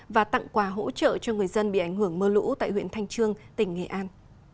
và tặng quà hỗ trợ cho người dân bị ảnh hưởng mơ lũ tại huyện thanh trương tỉnh nghệ an